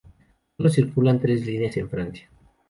Solo circulan en tres líneas en Francia.